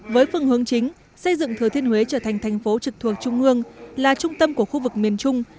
với phương hướng chính xây dựng thừa thiên huế trở thành thành phố trực thuộc trung ương là trung tâm của khu vực miền trung